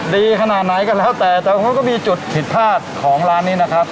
ขนาดไหนก็แล้วแต่แต่มันก็มีจุดผิดพลาดของร้านนี้นะครับ